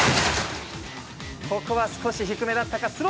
ここは少し低めだったか。